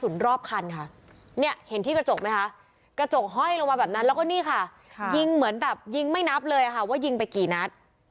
แล้วก็นี่ค่ะยิงเหมือนแบบยิงไม่นับเลยอะค่ะว่ายิงไปกี่นัด